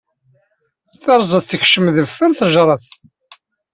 Tirẓeẓt tekṛem deffer sejṛet.